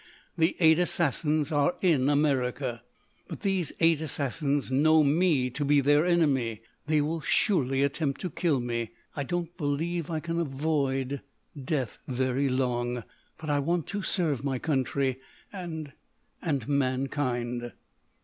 The Eight Assassins are in America. "But these eight Assassins know me to be their enemy.... They will surely attempt to kill me.... I don't believe I can avoid—death—very long.... But I want to serve my country and—and mankind."